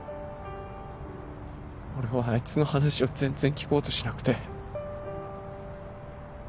俺はあいつの話を全然聞こうとしなくて。